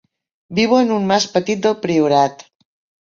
Viu en un mas petit del Priorat.